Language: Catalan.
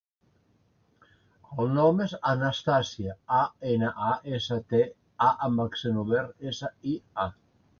El nom és Anastàsia: a, ena, a, essa, te, a amb accent obert, essa, i, a.